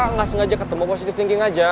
nggak sengaja ketemu positive thinking aja